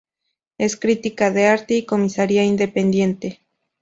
Es crítica de arte y comisaría independiente.